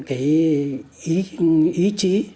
cái ý chí